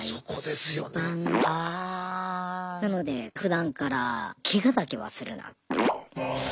なのでふだんからケガだけはするなっていう。